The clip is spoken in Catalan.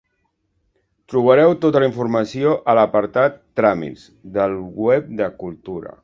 Trobareu tota la informació a l'apartat "Tràmits" del web de Cultura.